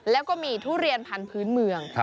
แล้วก็มีทุเรียนพันธุ์พื้นเมือง